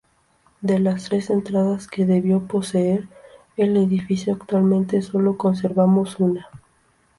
De las tres entradas que debió poseer el edificio, actualmente sólo conservamos una.